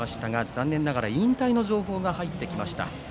残念ながら引退の情報が入ってきました。